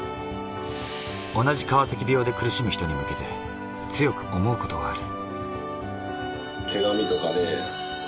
同じ川崎病で苦しむ人に向けて強く思うことがある。